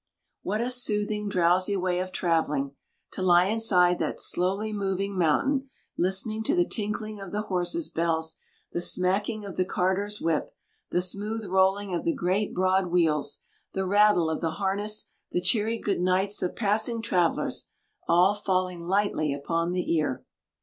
What a soothing, drowsy way of travelling, to lie inside that slowly moving mountain, listening to the tinkling of the horses' bells, the smacking of the carter's whip, the smooth rolling of the great broad wheels, the rattle of the harness, the cheery good nights of passing travellers, all falling lightly upon the ear!